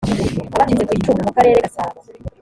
abacitse ku icumu mu karere gasabo